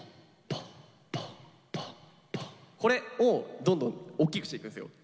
これをどんどん大きくしていくんですよ。